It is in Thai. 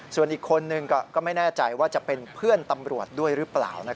ส่วนอีกคนนึงก็ไม่แน่ใจว่าจะเป็นเพื่อนตำรวจด้วยหรือเปล่า